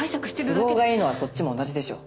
都合がいいのはそっちも同じでしょう。